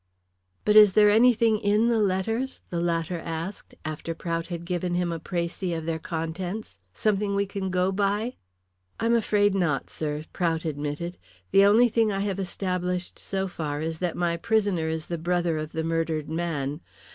"But is there anything in the letters?" the latter asked after Prout had given him a precis of their contents. "Something we can go by?" "I'm afraid not, sir," Prout admitted. "The only thing I have established so far is that my prisoner is the brother of the murdered man.